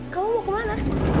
kamu mau kemana